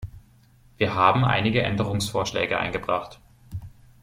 Wir haben einige Änderungsvorschläge eingebracht.